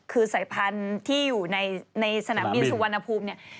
คือสายพันธุ์ที่อยู่ในสนามบินสุวรรณภูมิเนี่ย